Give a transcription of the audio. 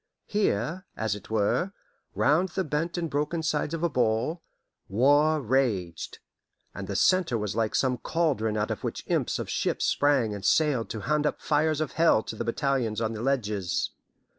Here, as it were, round the bent and broken sides of a bowl, war raged, and the centre was like some caldron out of which imps of ships sprang and sailed to hand up fires of hell to the battalions on the ledges.